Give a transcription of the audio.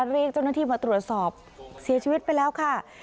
เรียกเจ้าหน้าที่มาตรวจสอบเสียชีวิตไปแล้วค่ะ